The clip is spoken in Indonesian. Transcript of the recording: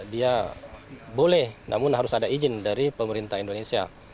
dia boleh namun harus ada izin dari pemerintah indonesia